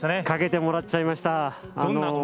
かけてもらっちゃいました。